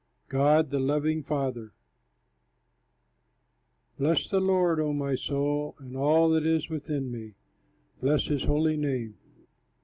GOD THE LOVING FATHER Bless the Lord, O my soul, And all that is within me, bless his holy name.